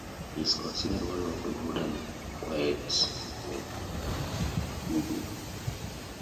He is considered one of the modern poets of Urdu.